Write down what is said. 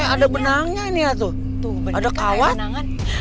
ada benangnya nih tuh ada kawat